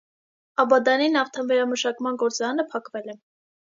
Աբադանի նավթավերամշակման գործարանը փակվել է։